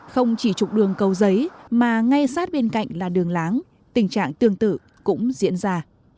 không chỉ trục đường cầu giấy mà ngay sát bên cạnh là đường láng tình trạng tương tự cũng diễn ra